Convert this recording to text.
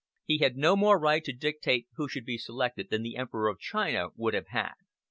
He had no more right to dictate who should be selected than the Emperor of China would have had.